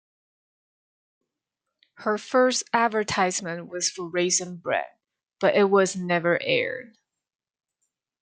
Her first advertisement was for Raisin Bran, but it was never aired.